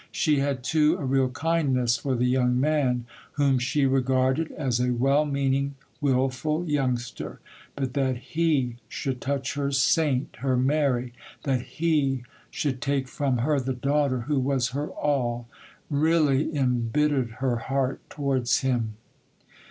She had, too, a real kindness for the young man, whom she regarded as a well meaning, wilful youngster; but that he should touch her saint, her Mary, that he should take from her the daughter who was her all, really embittered her heart towards him.